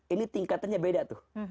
ini tingkatannya beda tuh